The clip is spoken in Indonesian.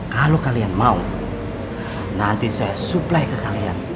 kalau kalian mau nanti saya supply ke kalian